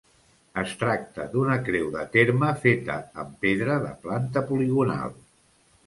Es tracta d'una creu de terme feta amb pedra, de planta poligonal.